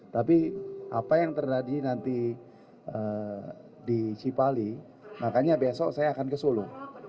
tapi apa yang terjadi nanti di cipali makanya besok saya akan ke solo